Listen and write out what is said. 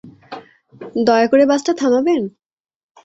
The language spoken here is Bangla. দয়া করে বাসটা থামাবেন?